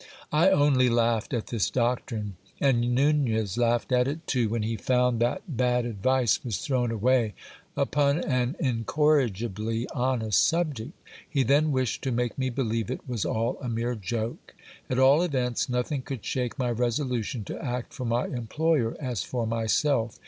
I only laughed at this doctrine ; and Nunez laughed at it too, when he found that bad advice was thrown away upon an incorrigibly honest subject. He then wished to make me believe it was all a mere joke. At all events, nothing could shake my resolution to act for my employer as for myself.